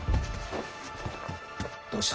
どうした？